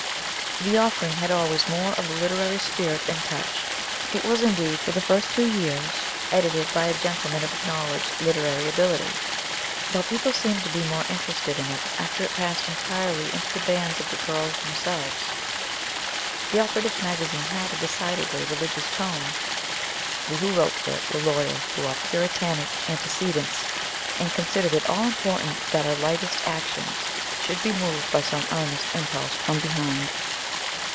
The "Offering" had always more of the literary spirit and touch. It was, indeed, for the first two years, edited by a gentleman of acknowledged literary ability. But people seemed to be more interested in it after it passed entirely into the bands of the girls themselves. The "Operatives' Magazine" had a decidedly religious tone. We who wrote for it were loyal to our Puritanic antecedents, and considered it all important that our lightest actions should be moved by some earnest impulse from behind.